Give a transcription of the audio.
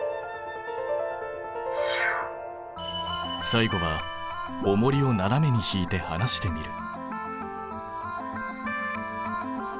最後はおもりをななめにひいてはなしてみる。